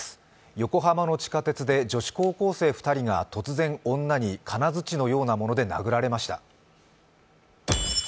横浜の地下鉄で女子高校生２人が、突然女に金づちのようなもので殴られました。